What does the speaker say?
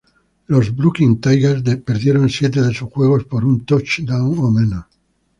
Los Brooklyn Tigers perdieron siete de sus juegos por un touchdown o menos.